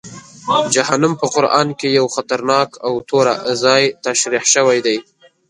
جهنم په قرآن کې یو خطرناک او توره ځای تشریح شوی دی.